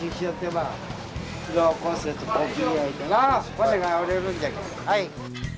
はい。